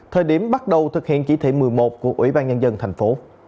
thời điểm bắt đầu thực hiện chỉ thị một mươi một của ủy ban nhân dân tp